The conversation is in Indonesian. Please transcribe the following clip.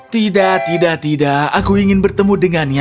tidak tidak tidak aku ingin bertemu dengannya